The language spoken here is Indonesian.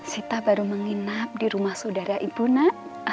sita baru menginap di rumah saudara ibu nak